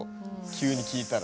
急に聞いたら。